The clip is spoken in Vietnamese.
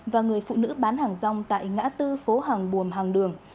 và người phụ nữ bán hàng rong tại ngã tư phố hàng buồm hàng đường